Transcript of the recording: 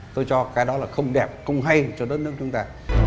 tôi cho cái đó là không đẹp không hay cho đất nước chúng ta